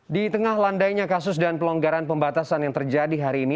di tengah landainya kasus dan pelonggaran pembatasan yang terjadi hari ini